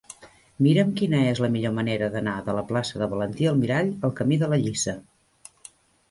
Mira'm quina és la millor manera d'anar de la plaça de Valentí Almirall al camí de la Lliça.